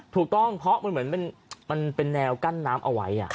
ถูกต้องเพราะมันเหมือนมันเป็นแนวกั้นน้ำเอาไว้